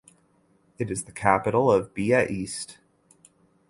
It is the capital of Bia East.